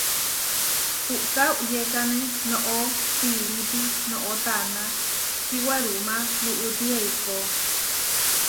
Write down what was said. Puʼká uʼyékane noʼó piirípi noʼó taná kiwerumá nuʼuti eikó.